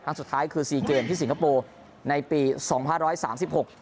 ครั้งสุดท้ายคือสี่เกมที่สิงคโปร์ในปีสองพันร้อยสามสิบหก